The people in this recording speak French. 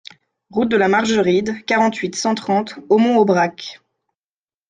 Route de la Margeride, quarante-huit, cent trente Aumont-Aubrac